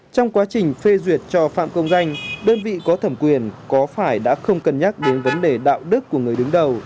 trong quá trình phê duyệt cho phạm công danh đơn vị có thẩm quyền có phải đã không cân nhắc đến vấn đề đạo đức của người đứng đầu